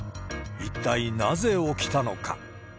一体なぜ起きたのか。